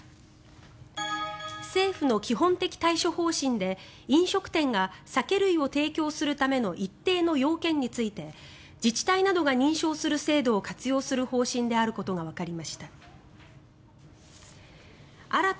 政府の基本的対処方針で飲食店が酒類を提供するための一定の要件について自治体などが認証する制度を活用する方針であることがわかりました。